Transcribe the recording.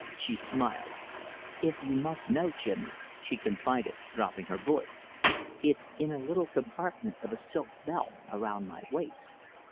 She smiled. "If you must know, Jimmy," she confided, dropping her voice, "it's in a little compartment of a silk belt around my waist.